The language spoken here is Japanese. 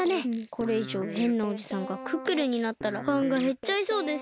これいじょうへんなおじさんがクックルンになったらファンがへっちゃいそうです。